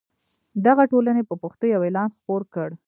دغې ټولنې په پښتو یو اعلان خپور کړ.